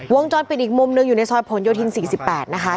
วงจรปิดอีกมุมหนึ่งอยู่ในซอยผลโยธิน๔๘นะคะ